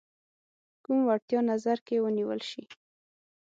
کوم وړتیا نظر کې ونیول شي.